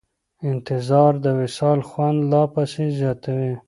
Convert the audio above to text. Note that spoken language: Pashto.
انتظار د وصال خوند لا پسې زیاتوي.